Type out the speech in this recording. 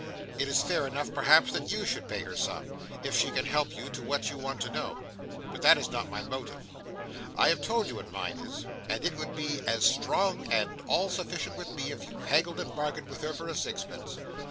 It is fair enough, perhaps, that you should pay her some, if she can help you to what you want to know. But that is not my motive. I have told you what mine is, and it would be as strong and all sufficient with me if you haggled and bargained with her for a sixpence.